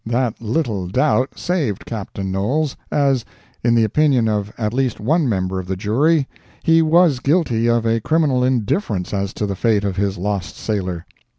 That little doubt saved Captain Knowles, as, in the opinion of at least one member of the jury, he was guilty of a criminal indifference as to the fate of his lost sailor.